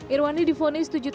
irwandi difonis tujuh tahun